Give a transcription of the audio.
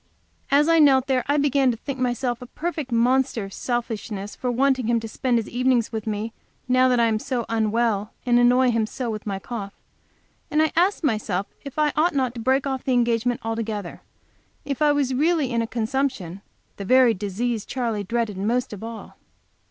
As I knelt there I began to think myself a perfect monster of selfishness for wanting him to spend his evenings with me, now that I am so unwell and annoy him so with my cough, and I asked myself if I ought not to break off the engagement altogether, if I was really in consumption, the very disease Charley dreaded most of all.